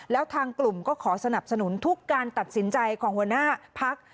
แล้วทางกลุ่มก็ขอสนับสนุนทุกการตัดสินใจของหัวหน้าพัก